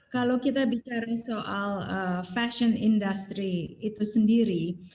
kalau kita bicara soal fashion industry itu sendiri